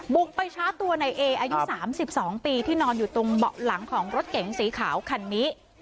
บุกไปชาร์จตัวในเออายุ๓๒ปีที่นอนอยู่ตรงเบาะหลังของรถเก๋งสีขาวคันนี้